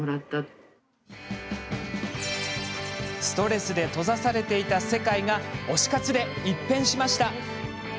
ストレスで閉ざされていた世界が推し活で一変しました。